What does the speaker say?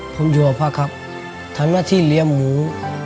ผมอยู่กับพระครับทำหน้าที่เลี้ยงหมู